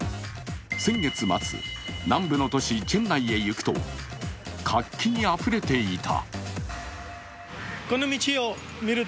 先月末、南部の都市チェンナイへ行くと活気にあふれていた。